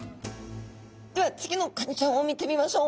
では次のカニちゃんを見てみましょう。